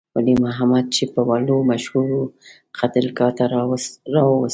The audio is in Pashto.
ولی محمد چې په ولو مشهور وو، قتلګاه ته راوستل شو.